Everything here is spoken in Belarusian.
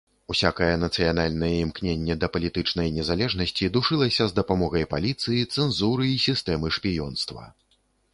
Усякае нацыянальнае імкненне да палітычнай незалежнасці душылася з дапамогай паліцыі, цэнзуры і сістэмы шпіёнства.